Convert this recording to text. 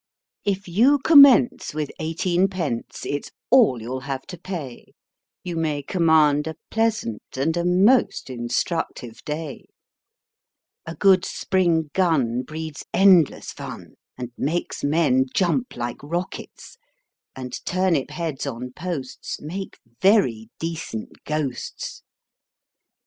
If you commence with eighteenpenoe â it's all you'll have to pay; You may command a pleasant and a most instructive day. A good spring gun breeds endless fun, and makes men jump like rockets â And turnip heads on posts Make very decent ghosts.